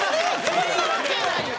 そんなわけないやん！